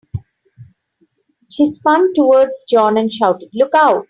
She spun towards John and shouted, "Look Out!"